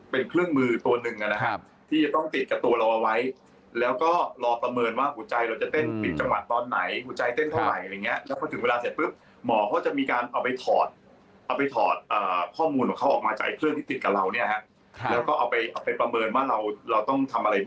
เป็นเครื่องมือตัวหนึ่งนะครับที่จะต้องติดกับตัวเราเอาไว้แล้วก็รอประเมินว่าหัวใจเราจะเต้นผิดจังหวะตอนไหนหัวใจเต้นเท่าไหร่อะไรอย่างเงี้ยแล้วพอถึงเวลาเสร็จปุ๊บหมอเขาจะมีการเอาไปถอดเอาไปถอดข้อมูลของเขาออกมาจากเครื่องที่ติดกับเราเนี่ยฮะแล้วก็เอาไปเอาไปประเมินว่าเราเราต้องทำอะไร